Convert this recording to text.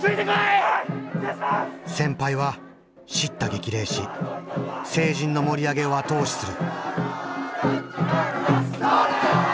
先輩は叱咤激励し成人の盛り上げを後押しする。